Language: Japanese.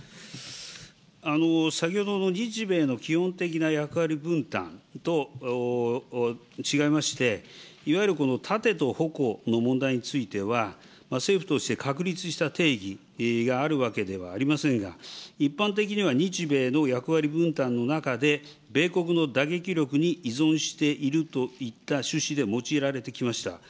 先ほどの日米の基本的な役割分担と違いまして、いわゆるこの盾と矛の問題については、政府として確立した定義があるわけではありませんが、一般的には日米の役割分担の中で、米国の打撃力に依存しているといった趣旨で用いられてきました。